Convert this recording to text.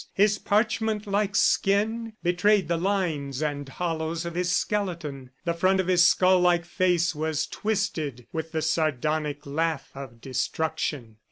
His parchment like skin betrayed the lines and hollows of his skeleton. The front of his skull like face was twisted with the sardonic laugh of destruction.